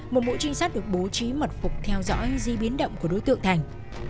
một mũi trinh sát được bố trí mật phục theo dõi di biến động của đối tượng thành